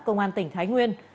công an tỉnh thái nguyên